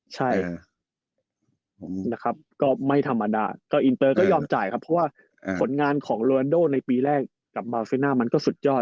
ใช่นะครับก็ไม่ธรรมดาก็อินเตอร์ก็ยอมจ่ายครับเพราะว่าผลงานของโรนโดในปีแรกกับมาลเซน่ามันก็สุดยอด